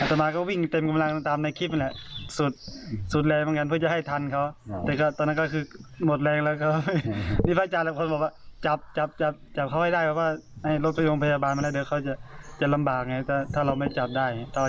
อาตมาก็วิ่งเต็มกำลังตามในคลิปนั่นแหละ